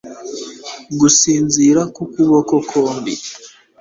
gusinzira ku kuboko kwombi